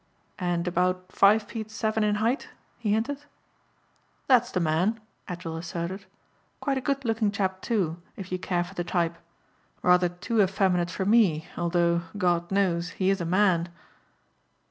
"And about five feet seven in height?" he hinted. "That's the man," Edgell asserted. "Quite a good looking chap, too, if you care for the type. Rather too effeminate for me although, God knows, he is a man."